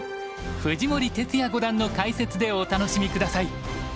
藤森哲也五段の解説でお楽しみください。